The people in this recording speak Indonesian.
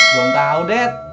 belum tau det